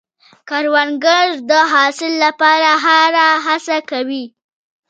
کروندګر د حاصل لپاره هره هڅه کوي